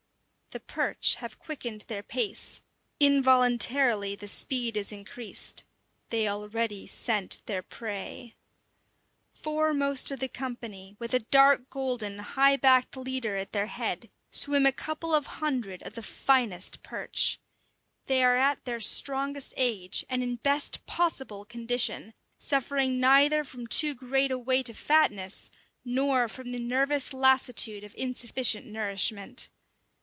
The perch have quickened their pace; involuntarily the speed is increased; they already scent their prey. Foremost of the company, with a dark golden, high backed leader at their head, swim a couple of hundred of the finest perch. They are at their strongest age, and in best possible condition, suffering neither from too great a weight of fatness, nor from the nervous lassitude of insufficient nourishment.